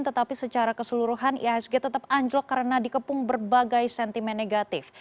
tetapi secara keseluruhan ihsg tetap anjlok karena dikepung berbagai sentimen negatif